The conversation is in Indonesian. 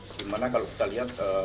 di mana kalau kita lihat